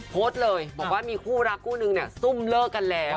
โพสต์เลยบอกว่ามีคู่รักคู่นึงเนี่ยซุ่มเลิกกันแล้ว